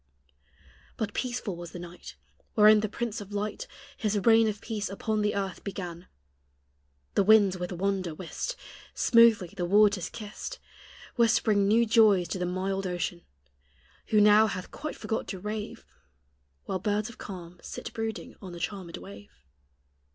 But peaceful was the night Wherein the prince of light His reign of peace upon the earth began; The winds, with wonder whist, Smoothly the waters kissed, Whispering new joys to the mild ocean, Who now hath quite forgot to rave, While birds of calm sit brooding on the charmed wave.